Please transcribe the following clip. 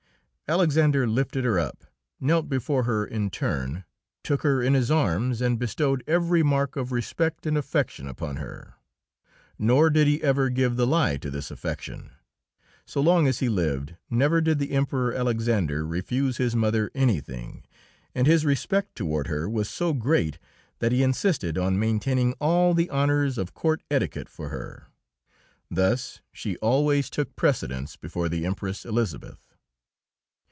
Alexander lifted her up, knelt before her in turn, took her in his arms and bestowed every mark of respect and affection upon her. Nor did he ever give the lie to this affection. So long as he lived never did the Emperor Alexander refuse his mother anything, and his respect toward her was so great that he insisted on maintaining all the honours of court etiquette for her. Thus she always took precedence before the Empress Elisabeth.